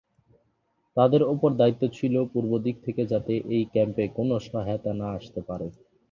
তাদের ওপর দায়িত্ব ছিল পূর্বদিক থেকে যাতে ওই ক্যাম্পে কোনো সহায়তা না আসতে পারে।